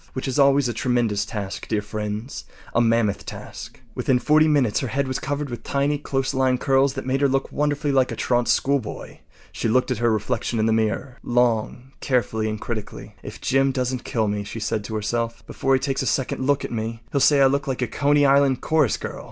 Which is always a tremendous task, dear friends—a mammoth task. Within forty minutes her head was covered with tiny, close lying curls that made her look wonderfully like a truant schoolboy. She looked at her reflection in the mirror long, carefully, and critically. “If Jim doesn’t kill me,” she said to herself, “before he takes a second look at me, he’ll say I look like a Coney Island chorus girl.